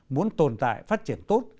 muốn tồn tại phát triển tốt